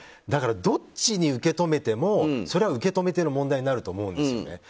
だから、どっちに受け止めてもそれは受け止め手の問題になると思うんですね。